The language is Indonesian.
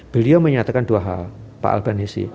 beliau menyatakan dua hal pak albanisi